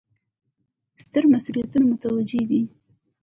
ستر مسوولیتونه متوجه دي.